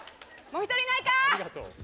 もう１人いないか？